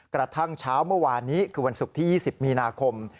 กระทั่งเช้าเมื่อวานนี้คือวันศุกร์ที่๒๐มีนาคม